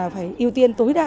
phải ưu tiên tối đa